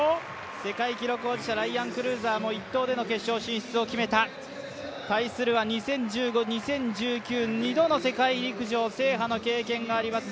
世界記録保持者ライアン・クルーザーも１投での決勝進出を決めた、対するは２０１５、２０１９２度の世界陸上制覇の経験があります